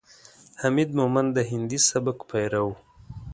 حمید مومند د هندي سبک پیرو ؤ.